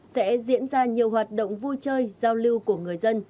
sẽ diễn ra nhiều hoạt động vui chơi giao lưu của người dân